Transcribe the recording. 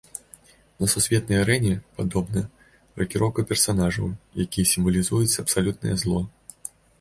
На сусветнай арэне, падобна, ракіроўка персанажаў, якія сімвалізуюць абсалютнае зло.